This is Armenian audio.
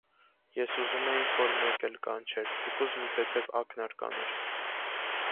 Ես ուզում էի, որ մեկ էլ կանչեր, թեկուզ մի թեթև ակնարկ աներ: